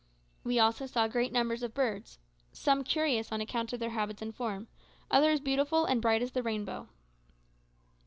We also saw great numbers of birds some curious on account of their habits and form, others beautiful and bright as the rainbow.